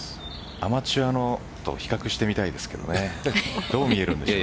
アマチュアのと比較してみたいですけどね。